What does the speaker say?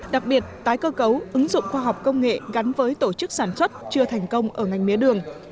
đặc biệt tái cơ cấu ứng dụng khoa học công nghệ gắn với tổ chức sản xuất chưa thành công ở ngành mía đường